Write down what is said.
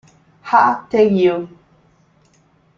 Ha Tae-gyu